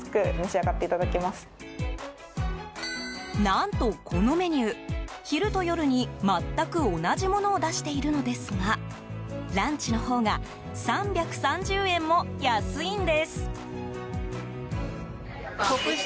何と、このメニュー昼と夜に全く同じものを出しているのですがランチのほうが３３０円も安いんです。